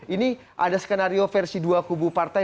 ini ada skenario versi dua kubu partai